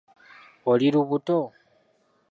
Oli lubuto?